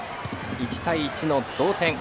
１対１の同点。